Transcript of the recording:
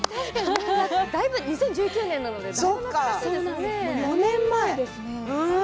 ２０１９年なのでだいぶ懐かしいですね。